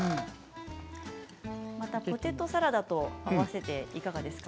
ポテトサラダと合わせていかがですか？